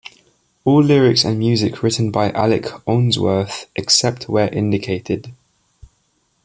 All lyrics and music written by Alec Ounsworth except where indicated.